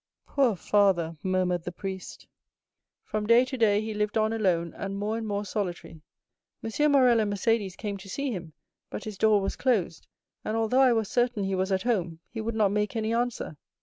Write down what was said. '" "Poor father!" murmured the priest. "From day to day he lived on alone, and more and more solitary. M. Morrel and Mercédès came to see him, but his door was closed; and, although I was certain he was at home, he would not make any answer.